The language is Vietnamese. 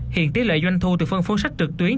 hiện tỷ lệ doanh thu từ phân phối sách trực tuyến